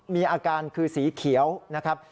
มีอาการคือสีเขียวนะครับ